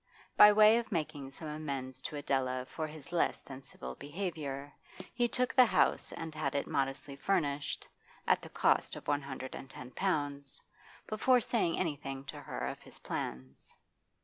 By way of making some amends to Adela for his less than civil behaviour, he took the house and had it modestly furnished (at the cost of one hundred and ten pounds) before saying anything to her of his plans.